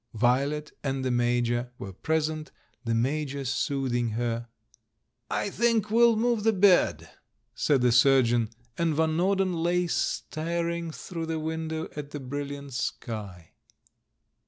Violet and the Major were present, the Major soothing her. "I think we'll move the bed," said the surgeon; THE THIRD M 343 and Van Norden lay staring through the window at the brilHant sky.